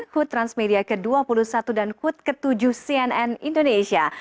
hut transmedia ke dua puluh satu dan hut ke tujuh cnn indonesia